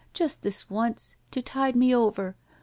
Just this once. To tide me over.